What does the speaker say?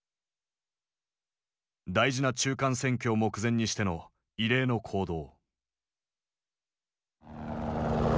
大事な中間選挙を目前にしての異例の行動。